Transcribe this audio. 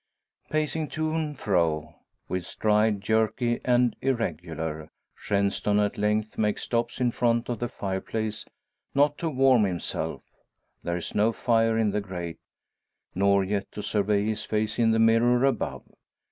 Pacing to and fro, with stride jerky and irregular, Shenstone at length makes stop in front of the fireplace, not to warm himself there is no fire in the grate nor yet to survey his face in the mirror above.